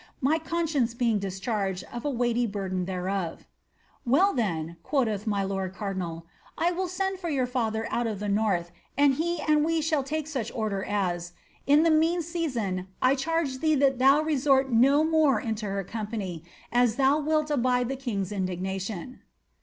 My conscience being discharged of burden thereof." ^ Wdl, then" (quoth my lord cardinal), ^ for your lather out of the north, and he and we shall take as — in tlie mean season I charge thee that thou resort no mo company, as thou wilt abide the king's indignation."